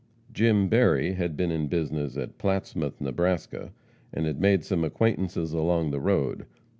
Jim Berry had been in business at Plattsmouth, Nebraska, and had made some acquaintances along the road.